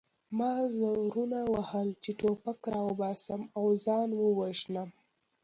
ما زورونه وهل چې ټوپک راوباسم او ځان ووژنم